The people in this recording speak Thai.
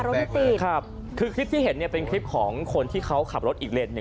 ไม่ปิดครับคือคลิปที่เห็นเนี่ยเป็นคลิปของคนที่เขาขับรถอีกเลนสหนึ่ง